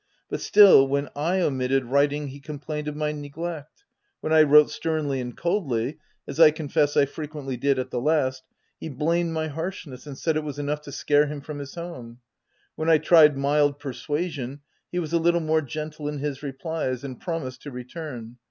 But still, when / omitted writing he complained of my neglect. When I wrote sternly and coldly, as I confess I frequently did at the last, he blamed my harshness, and said it was enough to scare him from his home : when I tried mild persuasion, he was a little more gentle in his replies, and promised to re turn